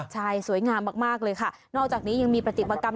ใช่สวยงามมากเลยค่ะ